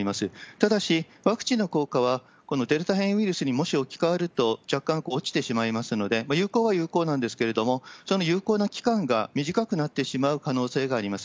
ただし、ワクチンの効果は、このデルタ変異ウイルスにもし置き換わると若干落ちてしまいますので、有効は有効なんですけれども、その有効な期間が短くなってしまう可能性があります。